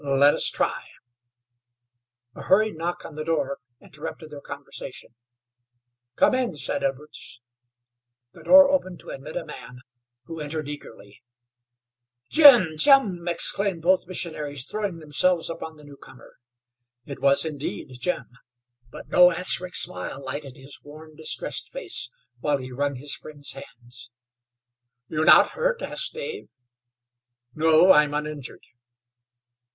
"Let us try." A hurried knock on the door interrupted their conversation. "Come in," said Edwards. The door opened to admit a man, who entered eagerly. "Jim! Jim!" exclaimed both missionaries, throwing themselves upon the newcomer. It was, indeed, Jim, but no answering smile lighted his worn, distressed face while he wrung his friends' hands. "You're not hurt?" asked Dave. "No, I'm uninjured."